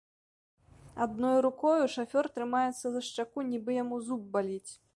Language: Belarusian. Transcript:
Адной рукою шафёр трымаецца за шчаку, нібы яму зуб баліць.